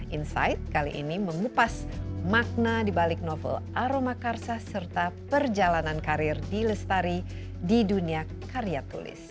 insight kali ini mengupas makna dibalik novel aroma karsa serta perjalanan karir d lestari di dunia karya tulis